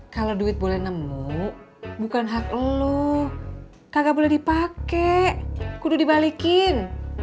kalau duit boleh nemu bukan hak lo kagak boleh dipakai kudu dibalikin